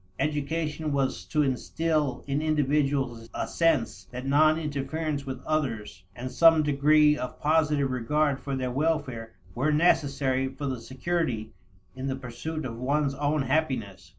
Education was to instill in individuals a sense that non interference with others and some degree of positive regard for their welfare were necessary for security in the pursuit of one's own happiness.